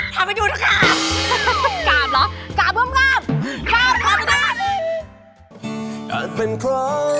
ทำให้ดูนะครับ